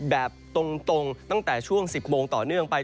แบบตรงตั้งแต่ช่วง๑๐โมงต่อเนื่องไป